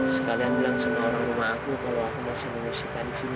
sekalian bilang semua orang rumah aku kalau aku masih menunggu sinta di sini lah